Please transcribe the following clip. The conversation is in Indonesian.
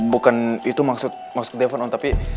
bukan itu maksud devon om tapi